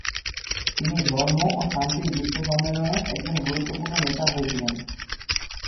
তিনি ধর্ম ও শান্তির বিশ্ব সম্মেলনে একজন গুরুত্বপূর্ণ নেতা হয়েছিলেন।